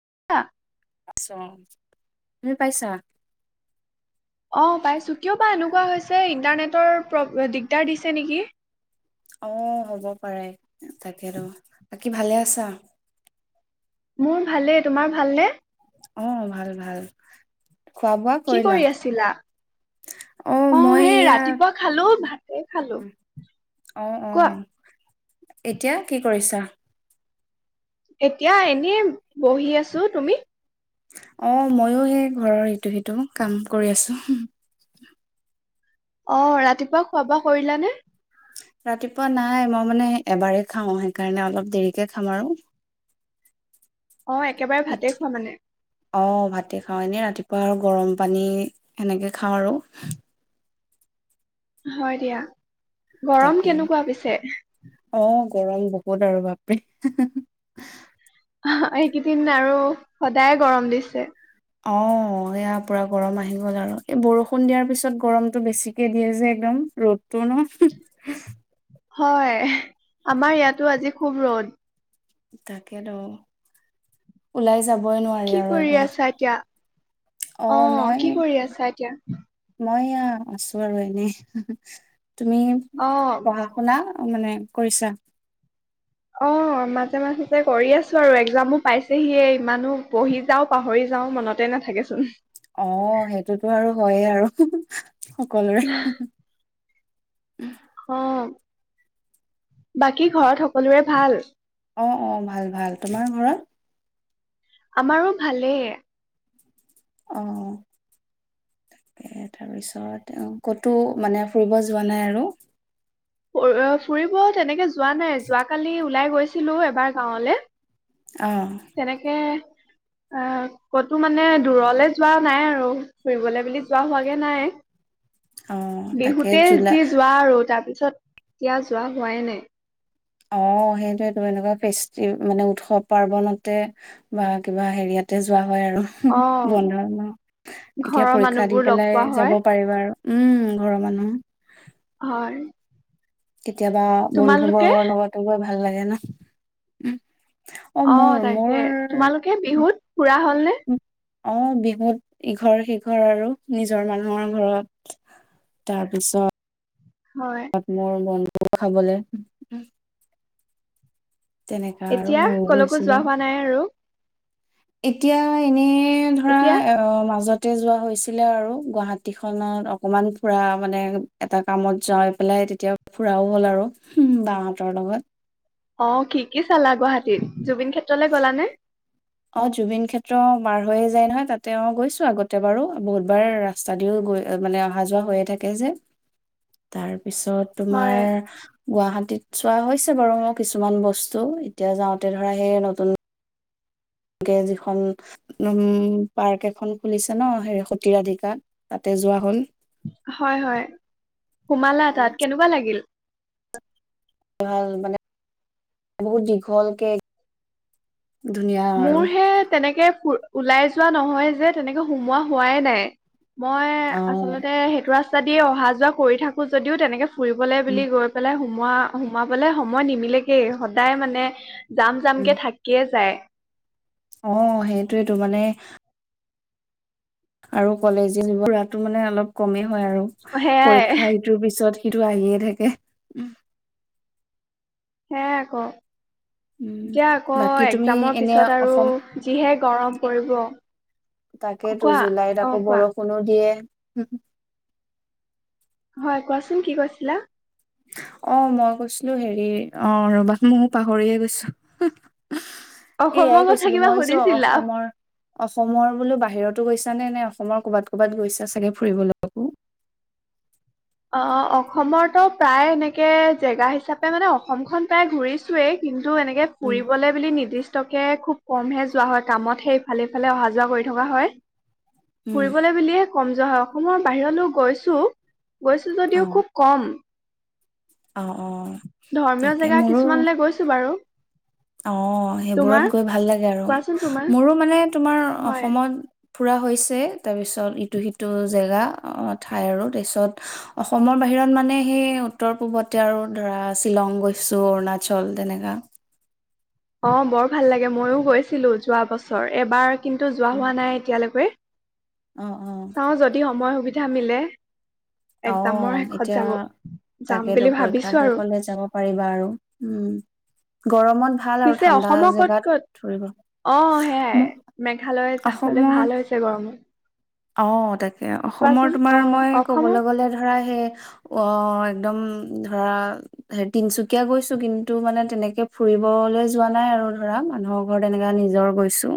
[unintelligible] আটছা, তুমি পাইছা। অ', পাইছোঁ কিয় বা এনেকুৱা হৈছে ইণ্টাৰনেটৰ প্ৰ-দিগদাৰ দিছে নেকি। অ', হ'ব পাৰে তাকেতো, বাকী ভালে আছা। মোৰ ভালে তোমাৰ ভালনে। অ', ভাল-ভাল। কি কৰি আছিলা?। অ', মই সেই এয়া ৰাতিপুৱা খালো ভাতে খালো। অ অ কোৱা এতিয়া, কি কৰিছা। এতিয়া এনে বহি আছো, তুমি?। অ', ময়ো সেই ঘৰৰ ইটো সিটো কাম কৰি আছো অ', ৰাতিপুৱা খোৱা-বোৱা কৰিলানে?। ৰাতিপুৱা নাই, মই মানে এবাৰেই খাওঁ সেইকাৰণে অলপ দেৰিকে খাম আৰু। অ', একেবাৰে ভাতে এতিয়া খোৱা মানে। অ', ভাতে খাওঁ এনেই ৰাতিপুৱা আৰু গৰম পানী সেনেকে খাওঁ আৰু। হয় দিয়া। গৰম তাকে কেনেকুৱা পিছে। অ গৰম বহুত আৰু বাপৰে এইকেইদিন আৰু সদায় গৰম দিছে অ সয়া পুৰা গৰম আহি গ'ল আৰু এই বৰষুণ দিয়াৰ পিছত গৰমতটো বেছিকে দিয়ে যে একদম, ৰ'দটো ন হয় আমাৰ ইয়াতো আজি খুব ৰ'দ তাকেত ওলাই যাব কি কৰি আছা এতিয়া অ কি কৰি আছা এতিয়া? মই এয়া আছো আৰু এনেই তুমি অ পঢ়া শুনা মানে কৰিছা অ মাজে মাজেতে কৰি আছো আৰু একজামো পাইছেহি ইমানো পঢ়ি যাও পাহৰি যাও মনতে নাথাকেচোন অ সেইটোতো আৰু হয়ে আৰু সকলোৰে [unintelligible] অ বাকী ঘৰত সকলোৰে ভাল? অ অ ভাল ভাল। তোমাৰ ঘৰত? আমাৰো ভালেই অ তাকে তাৰপিছত ক'তো মানে ফুৰিব যোৱা নাই আৰু ফুৰিব তেনেকে যোৱা নাই যোৱ কালি ওলাই গৈ গৈছিলো এবাৰ গাঁওলৈ অ তেনেকে অ কতো মানে দূৰলে যোৱা নাই আৰু ফুৰিবলৈ বুলি যোৱা হোৱাগে নাই অ তাকে বিহুতে জুলাই যি যোৱা আৰু তাৰ পিছত পিছত এতিয়া যোৱা হোৱাই নাই অ সেইৱেটো এনেকুৱা ফেষ্টি মানে উৎসৱ পাৰ্বনতে বা কিবা হেৰিয়াতে যোৱা হয় আৰু অ বন্ধ এতিয়া ঘৰৰ পৰীক্ষা দি মানুহবোৰ লগ পেলাই পোৱা হয় যাব পাৰিবা আৰু উম ঘৰৰ মানুহ হয় কেতিয়াবা বন্ধু তোমালোকে বৰ্গৰ লগতো গৈ ভাল লাগে ন উম অ মোৰ মোৰ তাকে তোমালোকে বিহুত ফুৰা হল নে? অ বিহুত ইঘৰ সিঘৰ আৰু নিজৰ মানুহৰ ঘৰত তাৰ পিছত হয় তাত মোৰ মন খাবলে তেনেকা আৰু এতিয়া ময়ো কলৈকো গৈছিলো যোৱা হোৱা নাই আৰু? এতিয়া এনেই এ ধৰা এতিয়া অ মাজত তে যোৱা হৈছিলে আৰু গুৱাহাটীখনত অকমান ফুৰা মানে এটা কামত যাই পেলাই তেতিয়া ফুৰাও হ'ল আৰু বাহতৰ লগত অ কি কি চালা গুৱাহাটীত জুবিন ক্ষেত্ৰলৈ গ'লানে? অ জুবিন ক্ষেত্ৰ পাৰ হৈয়ে যায় নহয় তাতে অ গৈছো আগতে বাৰু বহুত বাৰ ৰাস্তা দিও গৈ মানে অহা যোৱা হৈয়ে থাকে যে তাৰ তাৰ পিছত হয় তোমাৰ গুৱাহাটী ত চোৱা হৈছে বাৰু মই কিছুমান বস্তু এতিয়া যাওঁতে ধৰা সেই নতুন যিখন উম পাৰ্ক এখন খুলিছে ন সেই সতীৰাধিকাত তাতে যোৱা হ'ল। হয় হয় সোমালা এখন তাত কেনেকুৱা লাগিল ভাল মানে বহুত দীঘলকে ধুনীয়া আৰু মোৰ হে তেনেকে ওলাই যোৱা নহয় যে তেনেকে সোমোৱা হোৱাই নাই৷ মই অ', আচলতে সেইটো ৰাচ যদি অহা যোৱা কৰি থাকো যদিও তেনেকে ফুৰিবলৈ উম, বুলি গৈ পেলাই সো সোমোৱা সোমাবলে সময় নিমিলেগে সদায় মানে যাম যাম উম। কে থাকিয়ে যায় অ সেইটোয়েতো মানে আৰু কলেজী যোৰা [unintelligible] টো মানে অলপ কমেই হয় আৰু সেয়াই পৰীক্ষা ইটোৰ পিছত সিটো আহিয়ে থাকে সে আক উম, এতিয়া আকৌ বাকী তুমি এক্সজাম এনে পিছত আৰু অসম যিহে গৰম পৰিব৷ তাকেতো কোৱা অ কোৱা উম হয় কোৱাচোন কি কৈছিলা? অ মই কৈছিলো হেৰি অ ৰ'বা মইও পাহৰিয়ে গৈছো৷ এয়াই অসমৰ কথা কৈছিলো মই কিবা ভাবিছো সুধিছিলা অসমৰ অসমৰ বোলো বাহিৰতো গৈছা নে? নে অসমৰ কবাত ক'বাত গৈছা চাগে ফুৰিবলৈকো অ অসমৰতো প্ৰায় এনেকে জেগা হিচাপে মানে অসমখন প্ৰায় ঘুৰিছোৱেই কিন্তু টো এনেকে উম, ফুৰিবলৈ বুলি নিৰ্দিষ্টকে খুব তু কমহে যোৱা হয় কামতহে ইফালে সিফালে অহা যোৱা কৰি থকা হয়৷ উম, ফুৰিবলৈ বুলিয়ে কম যোৱা হয়, অসমৰ বাহিৰলৈ গৈছো৷ গৈছো যদিও অ'। খুব কম৷ অ অ ধৰ্মীয় তাকে জেগা মোৰো কিছুমানলৈ গৈছো বাৰু অ তোমাৰ সেইবোৰত গৈ ভাল লাগে আৰু কোৱাচোন তোমাৰ মোৰো মানে তোমাৰ হয় অসমত ফুৰা হৈছে তাৰপিছত ইটো সিটো জেগা ঠাই আৰু তাৰপিছত অসমৰ বাহিৰত মানে সেই উত্তৰ পূৱতে আৰু ধৰা শ্বিলং গৈছো অৰুণাচল তেনেকা অ বৰ ভাল লাগে মইও গৈছিলো যোৱা বছৰ এবাৰ কিন্তু যোৱা হোৱা নাই এতিয়ালৈকে অ অ চাওঁ যদি সময় সুবিধা জামিলে অ এতিয়া যাম তাকেতো বুলি পৰীক্ষা ভাবিছো শেষ আৰু হ'লে যাব পাৰিবা আৰু উম গৰমত ভাল আৰু পিছে ঠাণ্ডা অসমৰ ক'ত জেগাত ক'ত ফুৰিব অ সেয়াই মোক মেঘালয় যাবলে অসমৰ ভাল হৈছে গৰমো অ তাকে এ অসমৰ তোমাৰ অ মই ক'বলৈ অসমত গ'লে ধৰা সে অ একদম ধৰা হে তিনচুকীয়া গৈছো কিন্তু মানে তেনেকে ফুৰিবলৈ যোৱা নাই আৰু ধৰা মানুহৰ ঘৰত তেনেকা নিজৰ গৈছো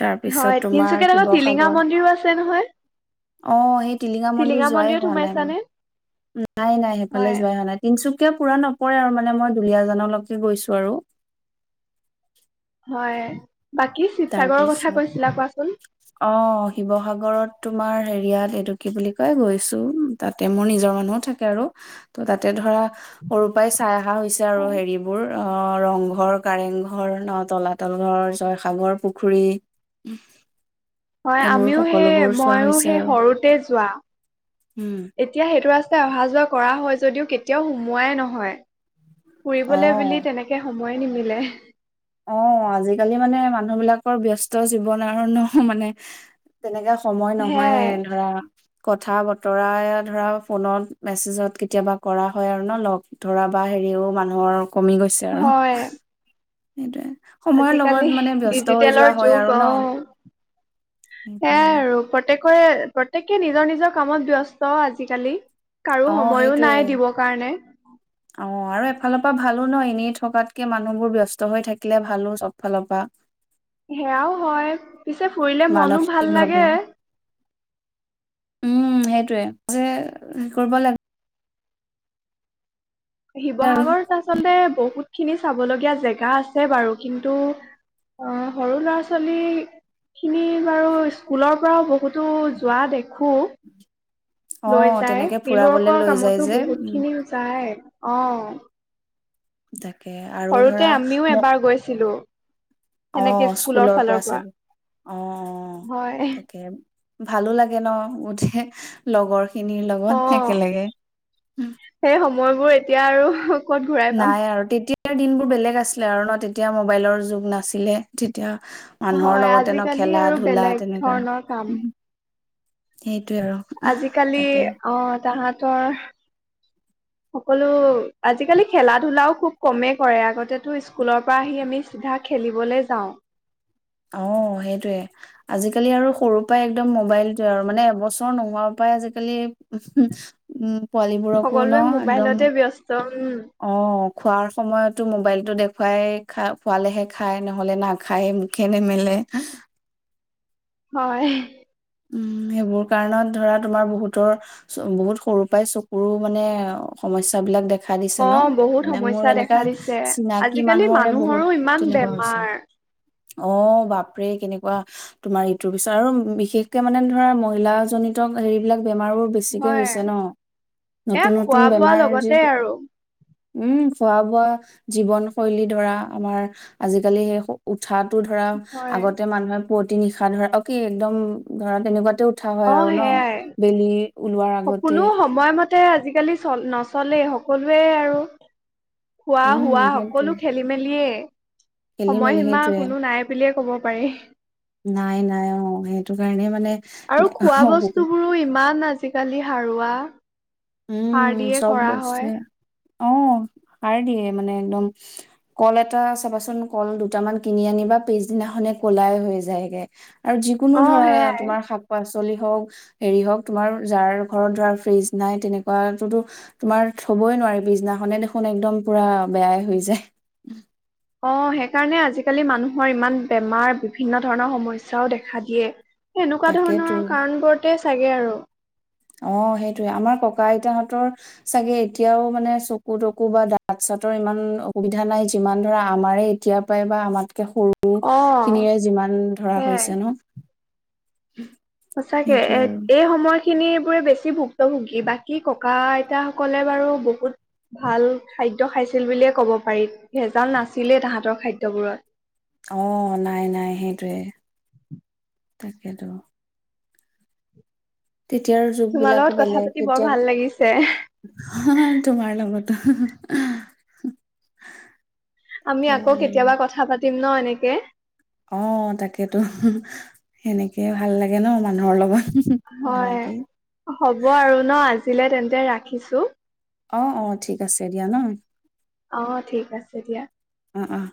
তাৰপিছত হয় তোমাৰ তিনিচুকীয়াত আক টিলিঙা শিৱসাগৰ মন্দিৰো আছে আছে নহয় অ সেইটো টিলিঙা মন্দিৰ যোৱাই মন্দিৰত হোৱা নাই সোমাইছানে মানে নাই নাই সেইফালে হয় যোৱাই হোৱা নাই তিনিচু তিয়া পুৰা নপৰে আৰু মানে মই দুলীয়াজানলৈকে গৈছো আৰু হয় বাকী শিৱসাগৰৰ তাৰপিছত কথা কৈছিলা কোৱাচোন অ শিৱসাগৰত তোমাৰ হেৰিয়াত এডুকি বুলি কয় গৈছোঁ তাতে মোৰ নিজৰ মানুহও থাকে আৰু ত তাতে ধৰা সৰু পৰাই চাই আৰু চাৰু হয় হেৰিবোৰ। অ ৰংঘৰ কাৰেংঘৰ ন তলাতল ঘৰ জয়সাগৰ পুখুৰী হয় এইবোৰ আমিও সেই সকলোবোৰ চোৱা মইও হৈছে সেই আৰু সৰুতে যোৱা উম এতিয়া সেইটো ৰাস্তাই অহা যোৱা কৰা হৈছে যদিও কেতিয়াও সুমোৱাই নহয় অ ফুৰিবলৈ বুলি তেনেকে শ সময় নিমিলে অ আজিকালি মানে মানুহ বিলাকৰ ব্যস্ত জীৱন আৰু মানে তেনেকা সময় নহয় সেয়াই ধৰা কথা বতৰা ধৰা ফোনত মেছেজত কেতিয়াবা কৰা হয় আৰু ন লগ ধৰা বা হেৰিও মানুহৰ কমি গৈছে আৰু হয়। সেইটোয়ে সময়ৰ লগত আজিকালি মানে ব্যস্ত হৈ যোৱা ডিজিটেলৰ হয় আৰু যুগ অ ন সেইয়াই আৰু প্ৰত্যেক কৈ প্ৰতয়েকে। নিজৰ নিজৰ কামত ব্যস্ত আজিকালি কাৰো অ সময়ো সেইটোয়ে নাই দিব কাৰণে অ আৰু এফালৰ পৰা ভালো ন, এনেই থকাতকে মানুহ বোৰ ব্যস্ত হৈ থাকিলে ভালো চব ফালৰ পৰা। সেয়াও হয়, পিছে ফুৰিলে মনো মানসিক ভাল লাগে। ভাৱেও উম সেইটোৱে যে কৰিব লাগব আৰু শিৱসাগৰত আচলতে। বহুতখিনি চাবলগীয়া জেগা আছে বাৰু, কিন্তু সৰু ল'ৰা ছোৱালীখিনি বাৰু স্কুলৰ পৰাও বহুতো যোৱা দেখোঁ। অ লৈ যায়। তেনেকে ফুৰাবলে ফিল্ডৱৰ্কৰ লৈ যায় কামতো যে বহুত উম খিনিও যায়। অ', [inaudible] ধৰা সৰুতে আমিও এবাৰ গৈছিলো। অহ', স্কুলৰ পৰা চাগে অ, অ, হয়। তাকে ভালো লাগে ন বুধে লগৰ খিনিৰ লগত একেলগে। মইবোৰ এতিয়া আৰু। ক'ত ঘূৰাই পাম নাই আৰু, তেতিয়া তেতিয়াৰ দিন বোৰ বেলেগ আছিলে আৰু ন? তেতিয়া মোবাইলৰ যুগ নাছিলে, তেতিয়া মানুহৰ হয় লগতে ন আজিকালি খেলা আৰু ধূলা বেলেগ তেনেকা। ধৰণৰ কাম উ আজিকালি তাতে অ', তাহাত তে সকলো আজিকালি খেলা ধলাও খুব কমেই কৰে, আগতেতো স্কুলৰ পৰা আহি আমি চিধা খেলিবলৈ যাওঁ। অ সেইটোয়ে আজিকালি আৰু সৰুৰ পৰাই একদম', সেইটোৱে, আজিকালি আৰু সৰুৰ পৰা একদম মোবাইলটোৱে আৰু মানে এবছৰ নোহোৱাৰ পৰাই আজিকালি [unintelligible] উম পোৱালীবোৰকো ন সকলোৱে একদম মোবাইলতে ব্যস্ত। উম অ', খোৱাৰ সময়তো মোবাইলতো দে খুৱাই খা খোৱালেহে খায় নহ'লে নাখাইয়ে মুখে নেমেলে হয়। উম', সেইবোৰ কাৰণত ধৰা তোমাৰ বহুতৰ বহুত সৰু পৰাই চকুৰো মানে সমস্যাবিলাক দেখা দিছে ন। অ', বহুত মানে মোৰ সমস্যা এনেকা দেখা দিছে, চিনাকি আজিকালি মানুহৰে বহুত মানুহৰো ইমান তেনেকুৱা হৈছে বেমাৰ অ', বাপৰে কেনেকুৱা তোমাৰ ইটোৰ পিছত আৰু বিশেষ মানে ধৰা মহিলাজনিত হেৰিবিলাক বেমাৰবোৰ বেছিকে হয় হৈছে ন? এয়া নতুন নতুন খোৱা বোৱাৰ বেমাৰ যি লগতে আৰু উম', খোৱা বোৱা, জীৱন শৈলী ধৰা আমাৰ আজিকালি সেই উঠাটো ধৰা হয় আগতে মানুহে পুৱতি নিশা ধৰা, অ কি একদম ঘৰত এনেকুৱাতেও উঠা হয় আৰু ন? বেলি ওলোৱাৰ স আগতে কোনো সময়মতে আজি আজিকালি নচলেই সকলোৱে আৰু খোৱা উম, শোৱা সেইটোৱে সকলো খেলি মেলিয়ে খেলি-মেলি সময়সীমা সেইটোৱে। কোনো নাই বুলিয়ে ক'ব। পাৰি। নাই -নাই অ'সেইটো কাৰণে মানে। আৰু খোৱা বস্তু বোৰো ইমান আজি আজি কালি সাৰুৱা। উম সাৰ দিয়ে চব কৰা বস্তু হয় এ অ' সাৰ দিয়ে মানে একদম কল এটা চাবাচোন কল দুটামান কিনি আনিবা পিছদিনাখনে কলাই হৈ যায়গে আৰু যিকোনো অ ধৰা সেয়াই তোমাৰ শাক পাচলি। তলি হওক হেৰি হওঁক তোমাৰ যাৰ ঘৰত ধৰা ফ্ৰিজ নাই। তেনেকুৱাতটোতো তোমাৰ থবই নোৱাৰি পিছনাখনে দেখোন একদম পুৰা বেয়াই হৈ যায় অ' সেইকাৰণে আজিকালি মানুহৰ ইমান বেমাৰ বিভিন্ন ধৰণৰ সমস্যাও দেখা দিয়ে এনেকুৱা তাকেতো ধৰণৰ কাৰণবোৰতে চাগে আৰু অ সেইটোয়ে আমাৰ ককা আইতাহতৰ চাগে এতিয়াও মানে চকু তকু বা দাঁত চতৰ ইমান অসুবিধা নাই যিমান ধৰা আমাৰে এতিয়াৰ পৰাই বা আমাৰ সৰু অ খিনিৰে যিমান ধৰা সেয়াই হৈছে ন উম সঁচাকে এ এই সময় খিনি এইবোৰে বেছি ভুক্তভোগী বাকী ককা আইতাসকলে বাৰু বহুত ভাল খাদ্য খাইছিল বুলিয়ে ক'ব পাৰি ভেজাল নাছিলেই তাহাঁতৰ খাদ্যবোৰত অ নাই নাই সেইটোৱে তাকেতো তেতিয়াৰ যুগ তোমাৰ লগত বিলাকো কথা বেলেগ পাতি বৰ ভাল লাগিছে তেতিয়া হ তোমাৰ লগত [unintelligible] আমি আকৌ কেতিয়াবা কথা পাতিম পাতিম নাএনেকে অ তাকেতো সেনেকেই ভাল লাগে ন মানুহৰ লগত কথা হয় পাতি হ'ব আৰু ন আজি ছিলে তেন্তে ৰাখিছো অ অ ঠিক আছে দিয়া ন অ ঠিক আছে দিয়া আহ আহ